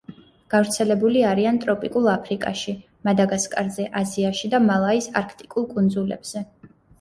გავრცელებული არიან ტროპიკულ აფრიკაში, მადაგასკარზე, აზიაში და მალაის არქტიკულ კუნძულებზე.